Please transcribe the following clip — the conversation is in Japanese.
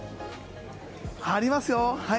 ありますよ！